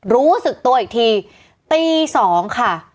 รู้สึกตัวอีกทีตี๒ค่ะ